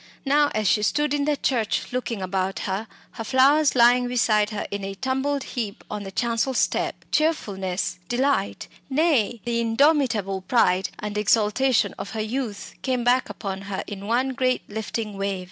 Now, as she stood in the church, looking about her, her flowers lying beside her in a tumbled heap on the chancel step, cheerfulness, delight, nay, the indomitable pride and exultation of her youth, came back upon her in one great lifting wave.